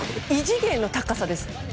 異次元の高さです。